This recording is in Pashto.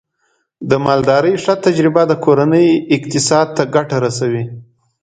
د مالدارۍ ښه تجربه د کورنۍ اقتصاد ته ګټه رسوي.